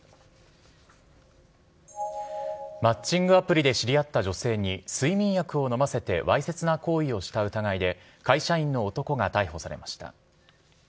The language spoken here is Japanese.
マッチングアプリで知り合った女性に、睡眠薬を飲ませてわいせつな行為をした疑いで、会社員の男が逮捕されました。